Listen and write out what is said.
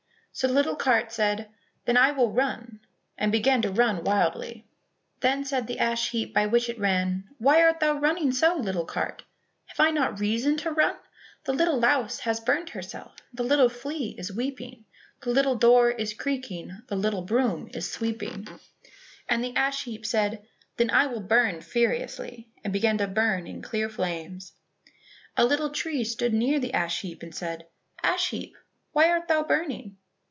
So the little cart said, "Then I will run," and began to run wildly. Then said the ash heap by which it ran, "Why art thou running so, little cart?" "Have I not reason to run?" "The little louse has burnt herself, The little flea is weeping, The little door is creaking, The little broom is sweeping." The ash heap said, "Then I will burn furiously," and began to burn in clear flames. A little tree stood near the ash heap and said, "Ash heap, why art thou burning?"